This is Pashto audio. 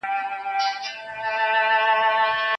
حکومت بايد ملاتړ وکړي.